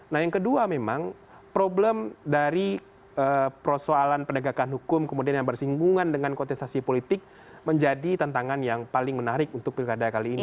nah yang kedua memang problem dari persoalan penegakan hukum kemudian yang bersinggungan dengan kontestasi politik menjadi tantangan yang paling menarik untuk pilkada kali ini